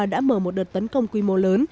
đã mở một đợt tấn công quy mô lớn